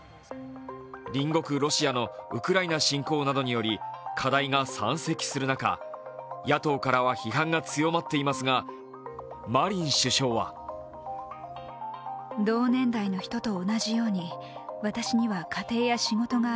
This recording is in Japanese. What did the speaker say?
隣国ロシアのウクライナ侵攻などにより、課題が山積する中、野党からは批判が強まっていますがマリン首相はと理解を求めました。